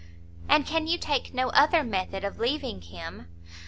"And can you take no other method of leaving him?"